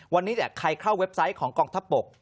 วันนี้ใครเข้าเว็บไซต์ของกองทัพบก